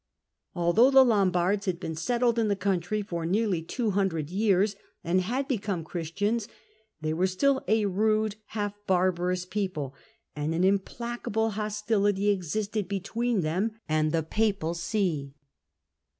Although the Lombards had been settled in the country for nearly two hundred years, and had become Christians, they were still a rude, half barbarous people, and an implacable hostility existed between them and the Papal See.